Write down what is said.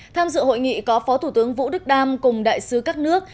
tham dự hội nghị có phó thủ tướng vũ đức đam cùng đại sứ các nước